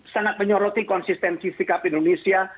sangat menyoroti konsistensi sikap indonesia